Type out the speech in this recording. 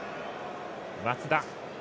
松田。